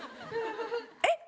えっ？